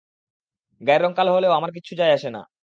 গায়ের রং কালো হলেও আমার কিচ্ছু যায় আসে না।